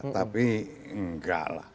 tapi nggak lah